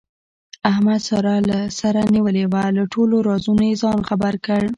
احمد ساره له سره نیولې وه، له ټولو رازونو یې ځان خبر کړ.